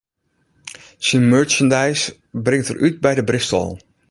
Syn merchandise bringt er út by de Bristol.